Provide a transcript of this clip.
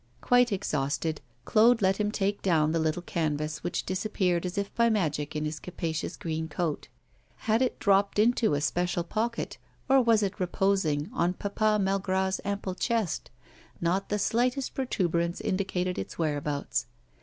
Quite exhausted, Claude let him take down the little canvas, which disappeared as if by magic in his capacious green coat. Had it dropped into a special pocket, or was it reposing on Papa Malgras' ample chest? Not the slightest protuberance indicated its whereabouts.